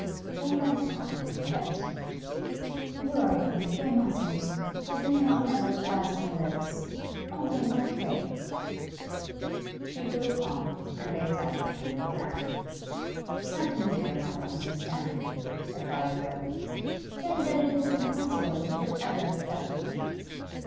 'Don't let us talk of him, pet.' 'You are right; we mustn't. His name ought never to pass my lips, only in my prayers.' She grew calmer, and they sat hand in hand. 'Try to make your mother understand,' advised Letty. 'Say that it is impossible you should ever accept him.